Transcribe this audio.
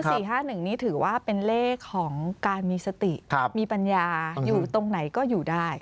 ๔๕๑นี่ถือว่าเป็นเลขของการมีสติมีปัญญาอยู่ตรงไหนก็อยู่ได้